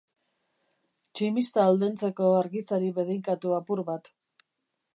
Tximista aldentzeko argizari bedeinkatu apur bat.